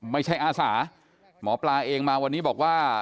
อาสาหมอปลาเองมาวันนี้บอกว่า